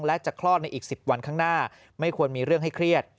และจะคลอดในอีก๑๐วันข้างหน้าไม่ควรมีเรื่องให้เครียด